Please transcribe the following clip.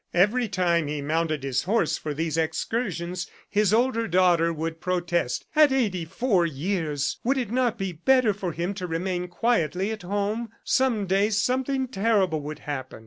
Every time he mounted his horse for these excursions, his older daughter would protest. "At eighty four years! Would it not be better for him to remain quietly at home. ..." Some day something terrible would happen. ...